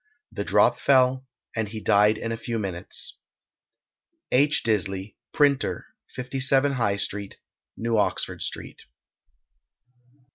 The drop fell, and he died in a few minutes. H. Disley, Printer, 57, High Street, New Oxford Street.